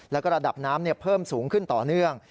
แล้วก็ระดับน้ำเพิ่มสูงขึ้นต่อเนื่อง